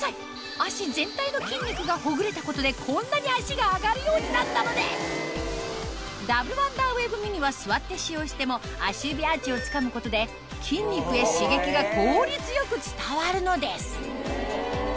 足全体の筋肉がほぐれたことでこんなに足が上がるようになったのですダブルワンダーウェーブミニは座って使用しても足指アーチをつかむことで筋肉へ刺激が効率よく伝わるのです